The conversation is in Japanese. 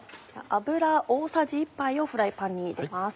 油大さじ１杯をフライパンに入れます。